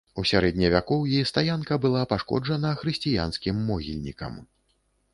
У сярэдневякоўі стаянка была пашкоджана хрысціянскім могільнікам.